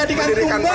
untuk menggiling tebu